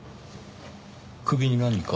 首に何か。